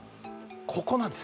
ここなんです